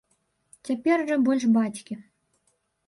Цяпер жа больш бацькі.